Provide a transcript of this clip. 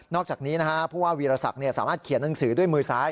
อกจากนี้ผู้ว่าวีรศักดิ์สามารถเขียนหนังสือด้วยมือซ้าย